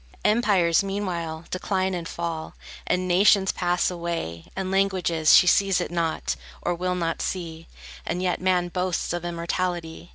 Empires, meanwhile, decline and fall, And nations pass away, and languages: She sees it not, or will not see; And yet man boasts of immortality!